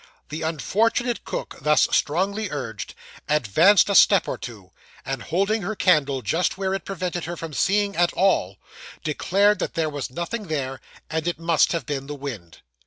The unfortunate cook, thus strongly urged, advanced a step or two, and holding her candle just where it prevented her from seeing at all, declared there was nothing there, and it must have been the wind.